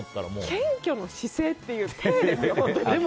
謙虚の姿勢っていう体ですよ。